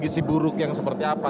gisi buruk yang seperti apa